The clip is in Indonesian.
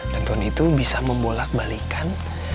dan tuhan itu bisa membolak balikan